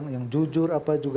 yang jujur